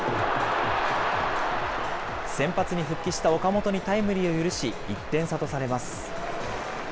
先発に復帰した岡本にタイムリーを許し、１点差とされます。